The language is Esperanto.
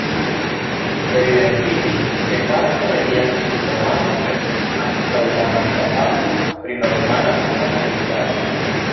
Evidentiĝis, ke parto de lia simptomaro estis ankaŭ la malkapablo pri normala homa komunikado.